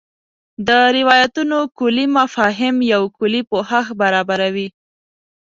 د روایتونو کُلي مفاهیم یو کُلي پوښښ برابروي.